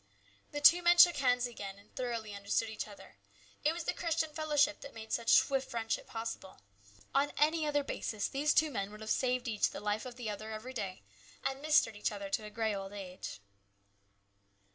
The two men shook hands again, and thoroughly understood each other. It was the Christian fellow ship that made such swift friendship possible. On any other basis these two men would have saved each the life of the other every day and " mistered " each other to a grey old age.